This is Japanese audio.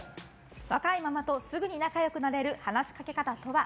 若いママとすぐに仲良くなれる話しかけ方とは？